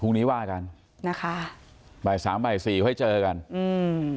พรุ่งนี้ว่ากันนะคะบ่ายสามบ่ายสี่ไว้เจอกันอืม